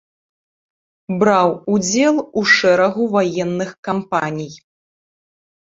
Браў удзел у шэрагу ваенных кампаній.